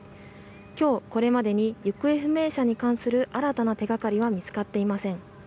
今日これまでに行方不明者に関する新たな手掛かりは見つかっていません。